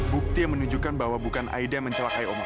bukti yang menunjukkan bahwa bukan aida yang mencelakai omah